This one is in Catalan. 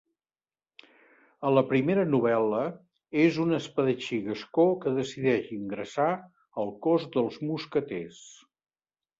A la primera novel·la, és un espadatxí gascó que decideix ingressar al cos dels mosqueters.